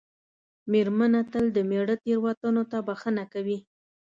مېرمنه تل د مېړه تېروتنو ته بښنه کوي.